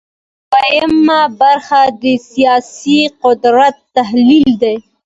دویمه برخه د سیاسي قدرت تحلیل دی.